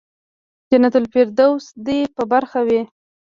جنت الفردوس دې په برخه وي.